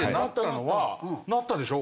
なったでしょ？